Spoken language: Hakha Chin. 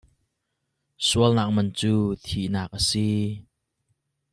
Sualnak man cu thihnak a si.